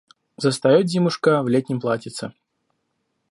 Застает зимушка в летнем платьице.